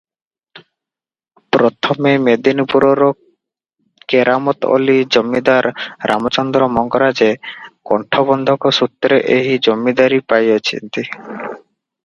ପ୍ରଥମେ ମେଦିନୀପୁରର କେରାମତ୍ ଅଲି ଜମିଦାର ରାମଚନ୍ଦ୍ର ମଙ୍ଗରାଜେ କଣ୍ଟବନ୍ଧକ ସୂତ୍ରେ ଏହି ଜମିଦାରୀ ପାଇଅଛନ୍ତି ।